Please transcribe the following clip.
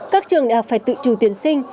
các trường đại học phải tự chủ tuyển sinh